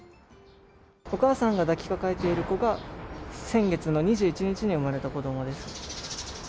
お母さんが抱きかかえている子が、先月の２１日に生まれた子どもです。